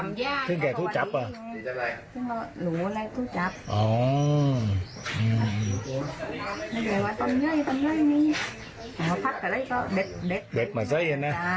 อ่าแบบนี้หรูใส่เช้าฟ้าชาติเนี่ย